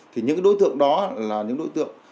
thì những đối tượng đó là những đối tượng